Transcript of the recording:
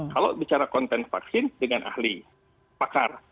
kalau bicara konten vaksin dengan ahli pakar